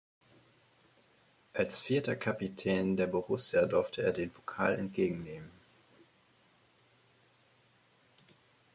Als vierter Kapitän der Borussia durfte er den Pokal entgegennehmen.